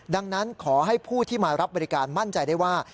ดังนั้นขอให้ผู้ที่มารับบริการมั่นใจได้ว่า